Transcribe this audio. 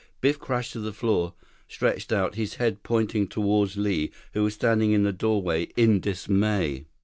Biff crashed to the floor, stretched out, his head pointing toward Li, who was standing in the doorway in dismay.